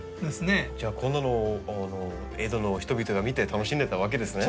じゃあこんなのを江戸の人々が見て楽しんでたわけですね。